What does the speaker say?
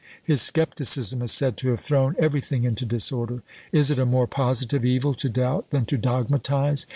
His scepticism is said to have thrown everything into disorder. Is it a more positive evil to doubt than to dogmatise?